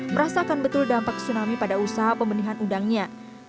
merasakan betul dampak tsunami pada usaha pembenihan udangnya